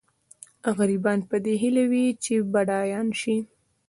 غریبان په دې هیله وي چې بډایان شي.